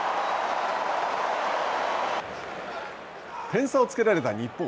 点差をつけられた日本。